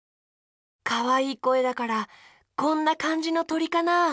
かわいいこえだからこんなかんじのとりかな？